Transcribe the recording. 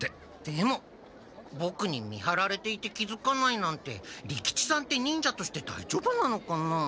でもボクにみはられていて気づかないなんて利吉さんって忍者としてだいじょうぶなのかなあ。